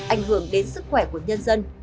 ảnh hưởng đến sức khỏe của nhân dân